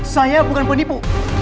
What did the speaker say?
saya bukan penipu